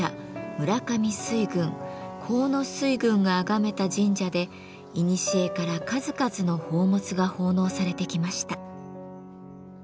村上水軍河野水軍があがめた神社でいにしえから数々の宝物が奉納されてきました。